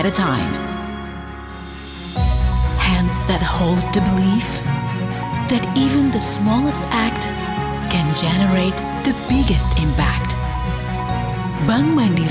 tangan yang memiliki percaya bahwa bahkan tindakan yang paling kecil bisa menghasilkan impact yang paling besar